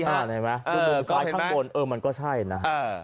เห็นไหมดวงสายข้างบนมันก็ใช่นะ